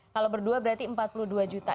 kalau berdua berarti empat puluh dua juta